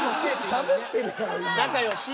しゃべってるやろ今。